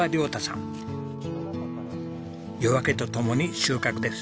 夜明けとともに収穫です。